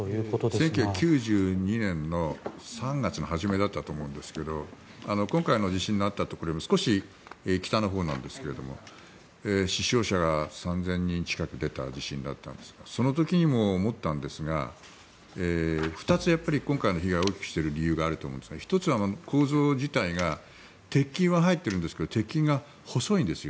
１９９２年の３月の初めだったと思うんですが今回の地震のあったところよりも少し北のほうですが死傷者が３０００人近く出た地震だったんですがその時にも思ったんですが２つ今回の被害を大きくしている理由があると思うんですが１つは構造自体は鉄筋は入ってるんですが鉄筋が細いんですよ。